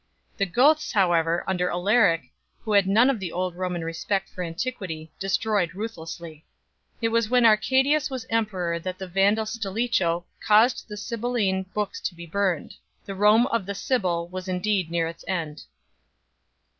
The Goths, however, under Alaric, who had none of the old Roman respect for antiquity, destroyed ruthlessly. It was when Arcadius was emperor that the Vandal Stilicho caused the Sibylline books to be burned ; the Rome of the Sibyl was indeed near its end.